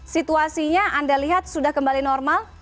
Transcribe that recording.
situasinya anda lihat sudah kembali normal